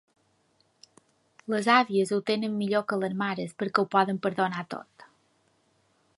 Les àvies ho tenen millor que les mares perquè ho poden perdonar tot.